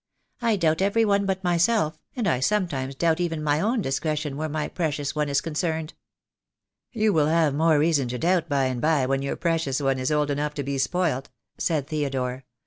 "I doubt every one but myself, and I sometimes doubt even my own discretion where my precious one is concerned." "You will have more reason to doubt by and by when your precious one is old enough to be spoilt," said Theodore.